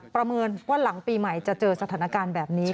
ประเมินว่าหลังปีใหม่จะเจอสถานการณ์แบบนี้